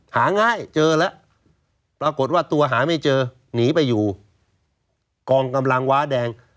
หาง่ายเจอแล้วปรากฏว่าตัวหาไม่เจอหนีไปอยู่กองกำลังว้าแดง